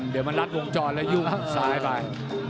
ดีมารับโวงจรแล้ยุ่งสายไป